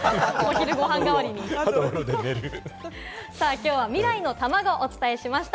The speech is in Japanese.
今日は未来のたまごをお伝えしました。